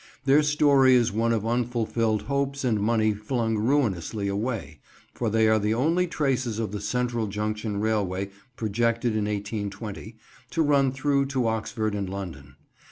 Their story is one of unfulfilled hopes and money flung ruinously away; for they are the only traces of the Central Junction Railway projected in 1820, to run through to Oxford and London.